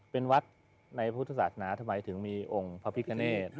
เป็นวัดในพุทธศาสนาทำไมถึงมีองค์พระพิกเนต